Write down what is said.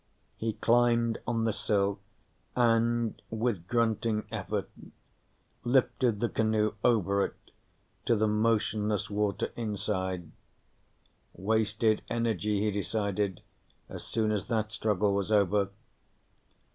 He climbed on the sill and, with grunting effort, lifted the canoe over it to the motionless water inside. Wasted energy, he decided, as soon as that struggle was over.